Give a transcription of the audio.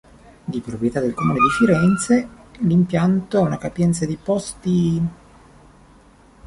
Di proprietà del Comune di Firenze, l'impianto ha una capienza di posti.